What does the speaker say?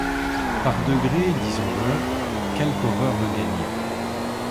Par degré, disons-le, quelque horreur le gagnait.